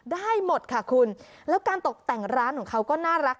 ได้หมดค่ะคุณแล้วการตกแต่งร้านของเขาก็น่ารัก